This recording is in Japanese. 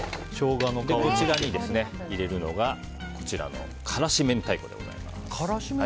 こちらに入れるのが辛子明太子でございます。